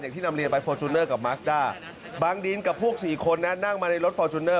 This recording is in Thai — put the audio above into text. ที่นำเรียนไปฟอร์จูเนอร์กับมาสด้าบางดินกับพวก๔คนนะนั่งมาในรถฟอร์จูเนอร์